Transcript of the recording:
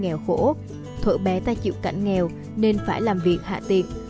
nghèo khổ thuở bé ta chịu cảnh nghèo nên phải làm việc hạ tiền